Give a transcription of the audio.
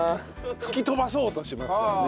吹き飛ばそうとしますからね。